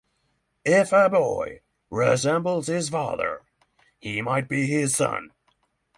If a boy resembles his father, they will both not live long.